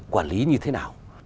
quản lý như thế nào